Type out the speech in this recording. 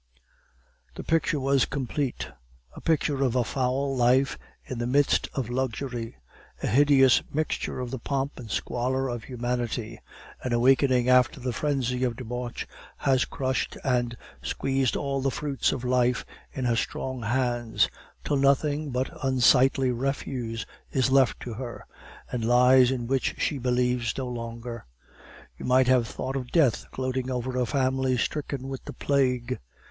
The picture was complete. A picture of a foul life in the midst of luxury, a hideous mixture of the pomp and squalor of humanity; an awakening after the frenzy of Debauch has crushed and squeezed all the fruits of life in her strong hands, till nothing but unsightly refuse is left to her, and lies in which she believes no longer. You might have thought of Death gloating over a family stricken with the plague.